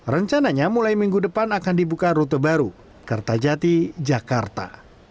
rencananya mulai minggu depan akan dibuka rute baru kertajati jakarta